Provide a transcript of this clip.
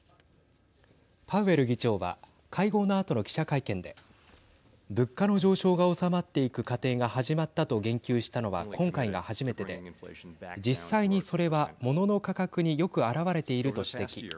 パウエル議長は会合のあとの記者会見で物価の上昇が収まっていく過程が始まったと言及したのは今回が初めてで実際にそれは物の価格によく表れていると指摘。